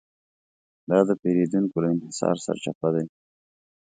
دا د پېریدونکو له انحصار سرچپه دی.